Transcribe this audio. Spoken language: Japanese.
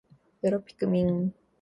よろぴくみん